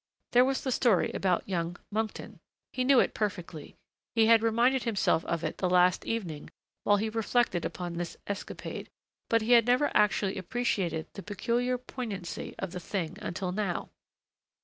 There was the story about young Monkton. He knew it perfectly; he had reminded himself of it the last evening while he reflected upon this escapade, but he had never actually appreciated the peculiar poignancy of the thing until now.